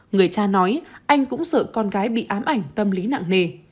người cha nói anh cũng sợ con gái bị ám ảnh tâm lý nặng nề